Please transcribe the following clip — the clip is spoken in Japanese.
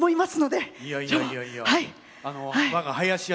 いやいやいやいや。